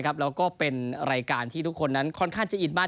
แล้วก็เป็นรายการที่ทุกคนนั้นค่อนข้างจะอิดมาก